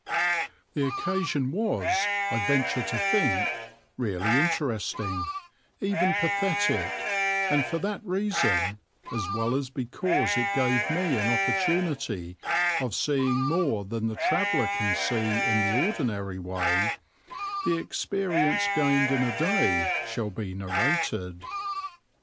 The occasion was, I venture to think, really interesting, even pathetic, and for that reason, as well as because it gave me an opportunity of seeing more than the traveller can see in the ordinary way, the experience gained in a day shall be narrated.